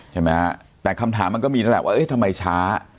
ใช่ไหมฮะแต่คำถามมันก็มีนั่นแหละว่าเอ๊ะทำไมช้า